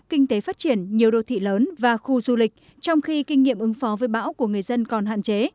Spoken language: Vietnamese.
kinh tế phát triển nhiều đô thị lớn và khu du lịch trong khi kinh nghiệm ứng phó với bão của người dân còn hạn chế